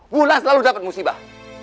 mulan selalu dapat musibah